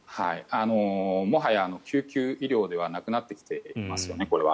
もはや救急医療ではなくなってきていますよね。